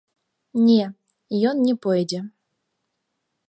Не, ён не пойдзе.